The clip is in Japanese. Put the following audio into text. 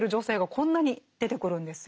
こんなに出てくるんですよ。